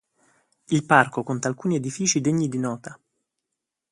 Il parco conta alcuni edifici degni di nota.